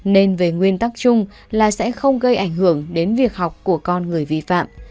nên về nguyên tắc chung là sẽ không gây ảnh hưởng đến việc học của con người vi phạm